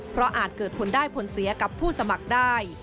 เพราะอาจเกิดผลได้ผลเสียกับผู้สมัครได้